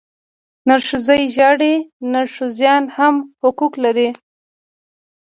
نرښځی ژاړي، نرښځيان هم حقوق لري.